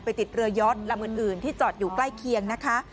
ติดเรือยอดลำอื่นที่จอดอยู่ใกล้เคียงนะคะ